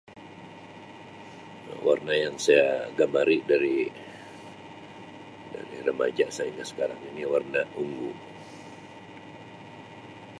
Warna yang saya gemari dari-dari remaja sehingga sekarang ini warna ungu.